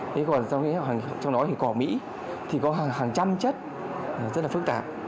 thế còn trong đó thì có mỹ thì có hàng trăm chất rất là phức tạp